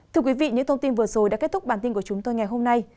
thưa quý vị những thông tin vừa rồi đã kết thúc bản tin của chúng tôi ngày hôm nay